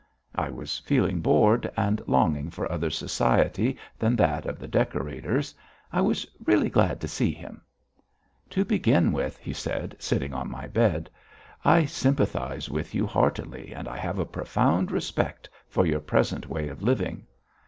I was feeling bored and longing for other society than that of the decorators. I was really glad to see him. "To begin with," he said, sitting on my bed, "I sympathise with you heartily, and I have a profound respect for your present way of living.